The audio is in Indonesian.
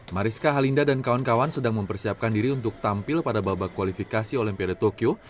mariska halinda dan kawan kawan sedang mempersiapkan diri untuk tampil pada babak kualifikasi olimpiade tokyo